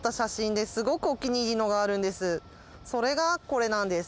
それがこれなんです。